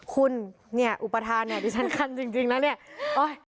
คุณเนี่ยอุปทานเนี่ยดิฉันคันจริงแล้วเนี่ย